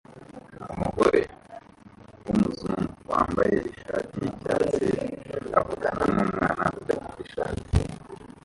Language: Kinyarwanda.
Umugore wumuzungu wambaye ishati yicyatsi avugana numwana udafite ishati